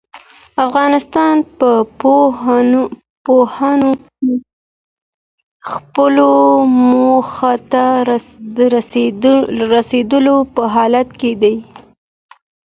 افغانستان په پوهنه کې خپلو موخو ته د رسېدو په حال کې دی.